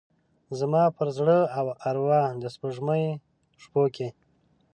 زما پر زړه او اروا د سپوږمۍ شپوکې،